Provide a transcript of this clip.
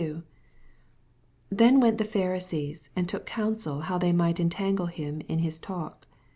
15 Then went the Pharisees, and took oonnsel how they might entangle him in his talk.